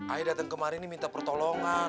ayah dateng kemarin nih minta pertolongan